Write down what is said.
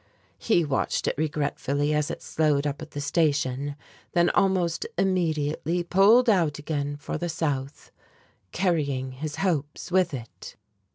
He watched it regretfully as it slowed up at the station, then almost immediately pulled out again for the south, carrying his hopes with it.